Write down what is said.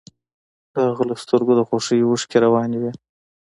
د هغه له سترګو د خوښۍ اوښکې روانې وې